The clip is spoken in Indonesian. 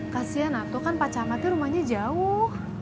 kasian atu kan pacamatnya rumahnya jauh